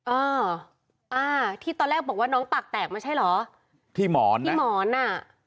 อ่าอ่าที่ตอนแรกบอกว่าน้องปากแตกไม่ใช่เหรอที่หมอนที่หมอนอ่ะ